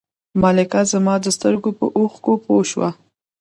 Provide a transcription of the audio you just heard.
ملکه زما د سترګو په اوښکو پوه شوه.